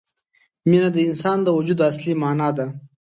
مینه د انسان د وجود اصلي معنا ده.